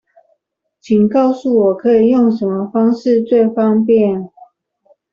請告訴我可以用什麼方式最方便